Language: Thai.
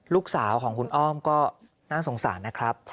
ลูกสาวของคุณอ้อมก็น่าสงสารนะครับ